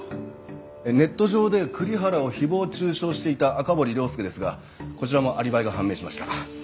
ネット上で栗原を誹謗中傷していた赤堀亮介ですがこちらもアリバイが判明しました。